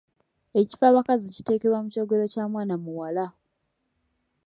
Ekifabakazi kiteekebwa mu kyogero kya mwana muwala.